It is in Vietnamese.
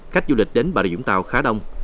khách du lịch đến bà rịa vũng tàu khá đông